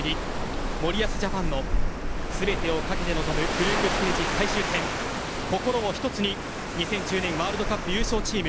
森保ジャパンの全てを懸けて臨むグループステージ最終戦心を一つに２０１０年ワールドカップ優勝チーム